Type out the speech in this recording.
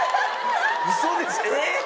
ウソでしょ？えっ！？